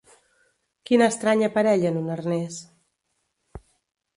Quina estranya parella en un arnés?